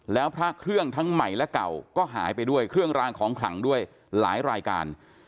แล้วพระเครื่องทั้งใหม่และเก่าก็หายไปด้วยเครื่องรางของขลังด้วยหลายรายการ